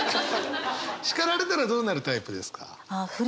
叱られたらどうなるタイプですか？